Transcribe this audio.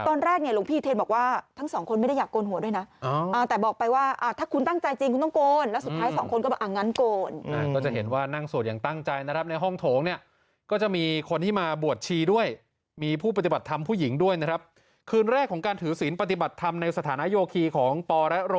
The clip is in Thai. ตอนแรกเนี่ยหลวงพี่เทนบอกว่าทั้งสองคนไม่ได้อยากโกนหัวด้วยนะแต่บอกไปว่าถ้าคุณตั้งใจจริงคุณต้องโกนแล้วสุดท้ายสองคนก็บอกอ่ะงั้นโกนก็จะเห็นว่านั่งสวดอย่างตั้งใจนะครับในห้องโถงเนี่ยก็จะมีคนที่มาบวชชีด้วยมีผู้ปฏิบัติธรรมผู้หญิงด้วยนะครับคืนแรกของการถือศีลปฏิบัติธรรมในสถานะโยคีของป